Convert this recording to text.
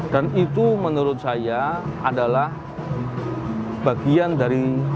dan itu menurut saya adalah bagian dari